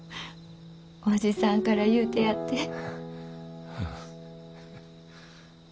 叔父さんから言うてやって。